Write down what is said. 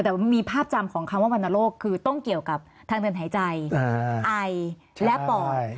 แต่มีภาพจำของคำว่าวรรณโรคคือต้องเกี่ยวกับทางเดินหายใจไอและปอด